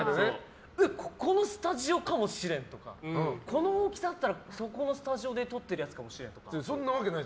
ここのスタジオかもしれんとかこの大きさだったらそこのスタジオで撮ってるやつかもしれんとか。